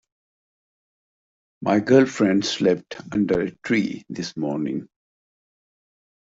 My girlfriend slept under a tree this morning.